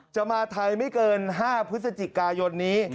มาไทยไม่เกิน๕พฤศจิกายนนี้